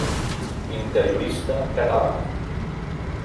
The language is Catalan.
Interiorista català.